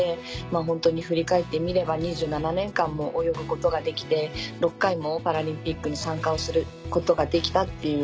ホントに振り返ってみれば２７年間も泳ぐことができて６回もパラリンピックに参加をすることができたっていう。